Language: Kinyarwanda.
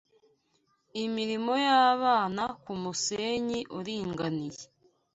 Imirimo y'abana kumusenyi uringaniye